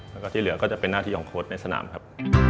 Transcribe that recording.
แล้วก็ที่เหลือก็จะเป็นหน้าที่ของโค้ดในสนามครับ